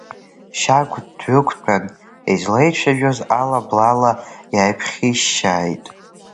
Шьагә дҩықәтәан, излеицәажәоз ала блала иааиԥхьиишьшьааит.